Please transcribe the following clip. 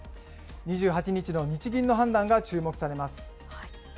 ２８日の日銀の判断が注目されます。